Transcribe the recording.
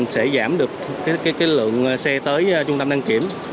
sẽ giảm được lượng xe tới trung tâm đăng kiểm